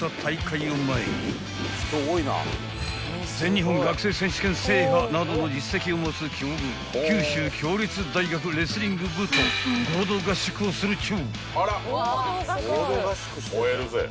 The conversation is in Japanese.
［全日本学生選手権制覇などの実績を持つ強豪九州共立大学レスリング部と合同合宿をするっちゅう］